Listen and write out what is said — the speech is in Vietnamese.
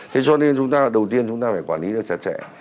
thế cho nên chúng ta đầu tiên chúng ta phải quản lý được chặt chẽ